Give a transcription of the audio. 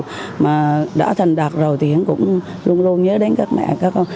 nhiều em đã thành đạt rồi thì em cũng luôn luôn nhớ đến các mẹ các con